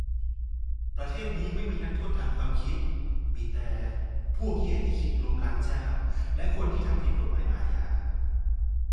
ประเทศนี้ไม่มีนักโทษทางความคิด มีแต่ พวกเหี้ยที่คิดล้มล้างเจ้า และ คนที่ทำผิดกฏหมายอาญา